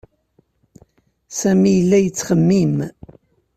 Sami yella yettxemmim.